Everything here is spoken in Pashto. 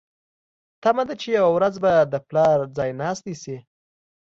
تمه ده چې یوه ورځ به د پلار ځایناستې شي.